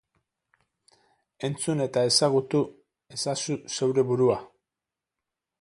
Entzun eta ezagutu ezazu zeure burua!